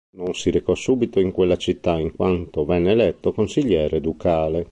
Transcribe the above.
Non si recò subito in quella città, in quanto venne eletto consigliere ducale.